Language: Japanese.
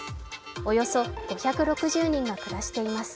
およそ５６０人が暮らしています。